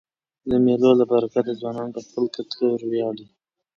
د مېلو له برکته ځوانان په خپل کلتور وياړي.